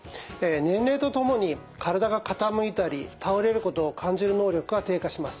年齢とともに体が傾いたり倒れることを感じる能力が低下します。